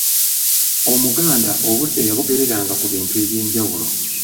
Omuganda obudde yabugereranga ku bintu eby'enjawulo.